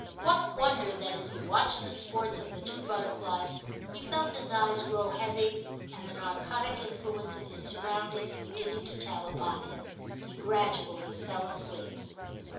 What wonder that as he watched the sports of the two butterflies he felt his eyes grow 1 66 TIM CHAP. heavy, and the narcotic influence of his sur roundings beginning to tell upon him, he gradually fell asleep.